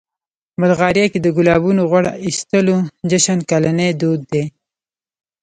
بلغاریا کې د ګلابونو غوړ اخیستلو جشن کلنی دود دی.